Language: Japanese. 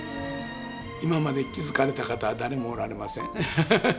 今まで気付かれた方は誰もおられません。